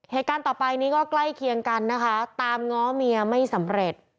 เหตุการณ์ต่อไปนี้ก็ใกล้เคียงกันนะคะตามง้อเมียไม่สำเร็จ